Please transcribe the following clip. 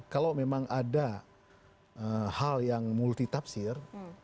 kalau memang ada hal yang multi tafsir